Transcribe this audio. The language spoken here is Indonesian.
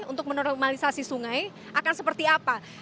untuk menormalisasi sungai akan seperti apa